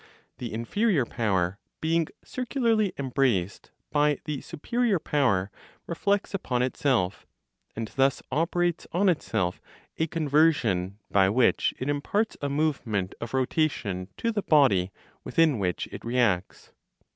The inferior power, being circularly embraced by the superior power, reflects upon itself, and thus operates on itself a conversion by which it imparts a movement of rotation to the body within which it reacts.